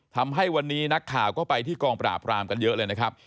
ทำให้วันนี้นักข่าวก็ไปที่กองปราบรามกันเยอะเลยนะครับ